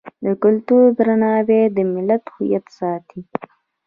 د کلتور درناوی د ملت هویت ساتي.